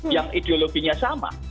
yang ideologinya sama